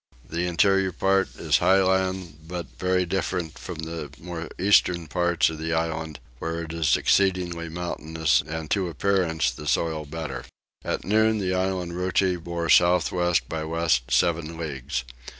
The interior part is high land but very different from the more eastern parts of the island where it is exceedingly mountainous and to appearance the soil better. At noon the island Roti bore south west by west seven leagues.